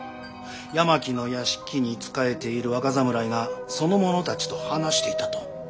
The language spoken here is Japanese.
八巻の屋敷に仕えている若侍がその者たちと話していたと。